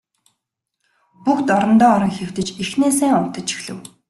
Бүгд орондоо орон хэвтэж эхнээсээ унтаж эхлэв.